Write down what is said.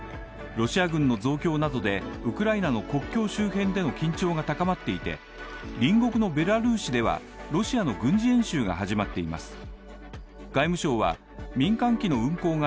ロシア軍の増強などでウクライナの国境周辺での緊張が高まっていて隣国のベラルーシではロシアの軍事演習が始まっています。